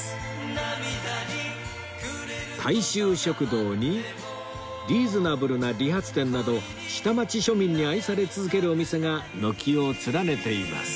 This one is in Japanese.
大衆食堂にリーズナブルな理髪店など下町庶民に愛され続けるお店が軒を連ねています